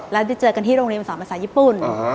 แล้วได้เจอกันที่โรงเรียนภาษาญี่ปุ่น